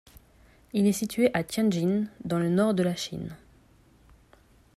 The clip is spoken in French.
Il est situé à Tianjin dans le nord de la Chine.